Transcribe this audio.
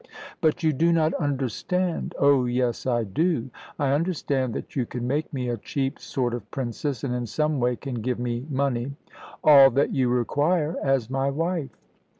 "But you do not understand " "Oh yes, I do. I understand that you can make me a cheap sort of princess, and in some way can give me money " "All that you require as my wife."